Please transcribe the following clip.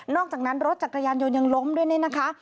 อกจากนั้นรถจักรยานยนต์ยังล้มด้วยเนี่ยนะคะ